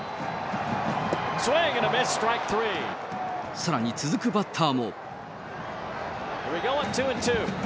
さらに続くバッターも。